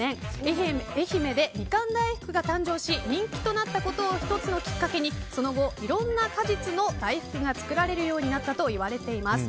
愛媛でミカン大福が誕生し人気となったことを１つのきっかけにその後いろんな果実の大福が作られるようになったといわれています。